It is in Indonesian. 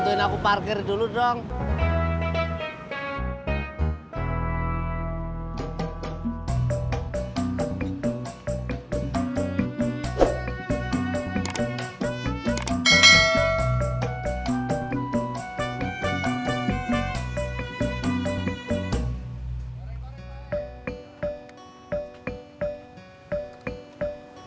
terima kasih teman teman